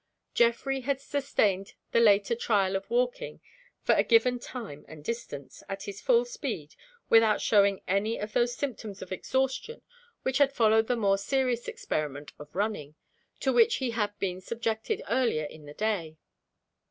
Geoffrey had sustained the later trial of walking for a given time and distance, at his full speed, without showing any of those symptoms of exhaustion which had followed the more serious experiment of running, to which he had been subjected earlier in the day.